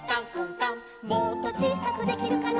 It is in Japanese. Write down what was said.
「もっとちいさくできるかな」